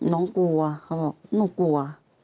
น้องกลัวเขาบอกหนูกลัว